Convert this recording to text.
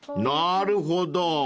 ［なるほど。